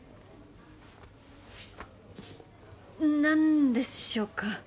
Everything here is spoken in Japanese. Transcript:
何でしょうか？